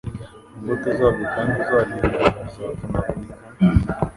imbuto zabwo Kandi uzagwira iryo buye azavunagurika,